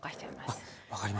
あっ分かりました。